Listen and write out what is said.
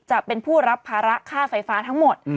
จะเป็นผู้รับภาระค่าไฟฟ้าทั้งหมด